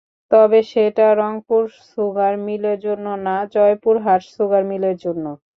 তবে সেটা রংপুর সুগার মিলের জন্য না, জয়পুরহাট সুগার মিলের জন্য।